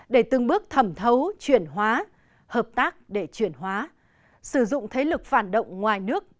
để từng bước thẩm thấu chuyển hóa hợp tác để chuyển hóa sử dụng thế lực phản động ngoài nước